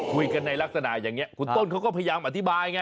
คุยกันในลักษณะอย่างนี้คุณต้นเขาก็พยายามอธิบายไง